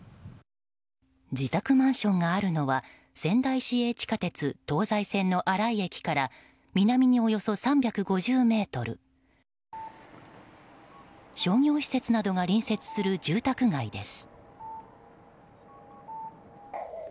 自宅マンションがあるのは仙台市営地下鉄東西線の荒井駅から南におよそ３５０ｍ商業施設などが隣接する住宅街です。